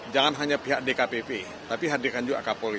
jangan hanya pihak dkpp tapi hadirkan juga kapolri